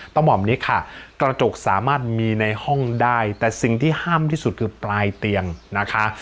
หม่อมนี้ค่ะกระจกสามารถมีในห้องได้แต่สิ่งที่ห้ามที่สุดคือปลายเตียงนะคะ